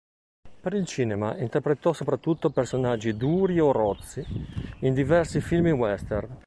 Per il cinema interpretò soprattutto personaggi duri o rozzi in diversi film western.